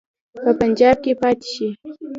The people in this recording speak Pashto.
په پنجاب کې پاته شي.